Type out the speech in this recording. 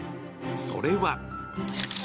それは。